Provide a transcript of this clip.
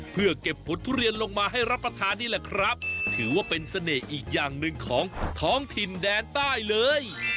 เพื่อเก็บผลทุเรียนลงมาให้รับประทานนี่แหละครับถือว่าเป็นเสน่ห์อีกอย่างหนึ่งของท้องถิ่นแดนใต้เลย